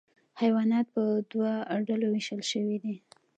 حیوانات په دوه ډلو ویشل شوي دي